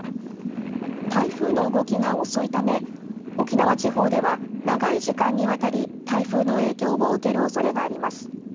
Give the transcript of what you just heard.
台風の動きが遅いため、沖縄地方では長い時間にわたり、台風の影響を受けるおそれがあります。